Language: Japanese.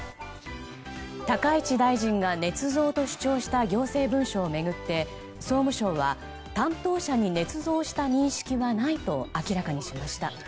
高市大臣がねつ造と主張した行政文書を巡って総務省は担当者にねつ造した認識はないと明らかにしました。